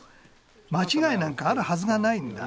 間違いなんかあるはずがないんだ。